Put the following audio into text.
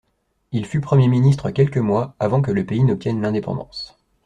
Il fut Premier ministre quelques mois avant que le pays n'obtienne l'indépendance.